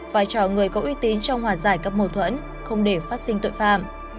vai trò người có uy tín trong hòa giải các mâu thuẫn không để phát sinh tội phạm